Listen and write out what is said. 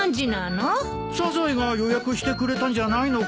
マスオさんが予約してくれたんじゃないの？